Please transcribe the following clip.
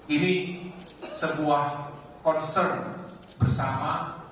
ini sebuah concern bersama